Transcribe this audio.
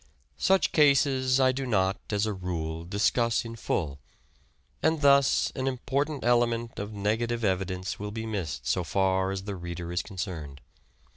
Such cases I do not, as a rule, discuss in full, and thus an important element of negative evidence will be missed so far as the reader is concerned.